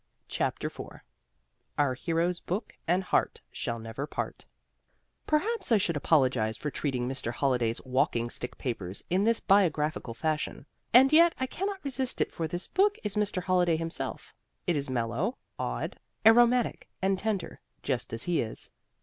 CHAPTER IV (OUR HERO'S BOOK AND HEART SHALL NEVER PART) Perhaps I should apologize for treating Mr. Holliday's "Walking Stick Papers" in this biographical fashion. And yet I cannot resist it for this book is Mr. Holliday himself. It is mellow, odd, aromatic and tender, just as he is.